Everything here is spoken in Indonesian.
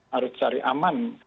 harus cari aman